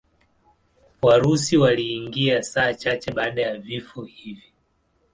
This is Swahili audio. Warusi waliingia saa chache baada ya vifo hivi.